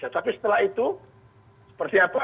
tetapi setelah itu seperti apa